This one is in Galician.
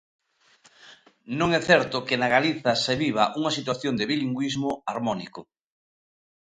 Non é certo que na Galiza se viva unha situación de bilingüismo harmónico.